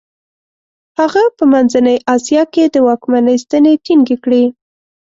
هغه په منځنۍ اسیا کې د واکمنۍ ستنې ټینګې کړې.